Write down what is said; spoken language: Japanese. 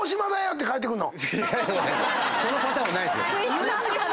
そのパターンはないですよ。